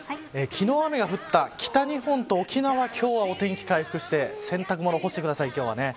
昨日、雨が降った北日本と沖縄今日はお天気、回復して洗濯物、干してください。